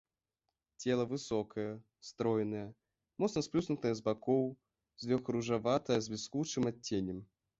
Цела высокае, стройнае, моцна сплюснутае з бакоў, злёгку ружаватае з бліскучым адценнем.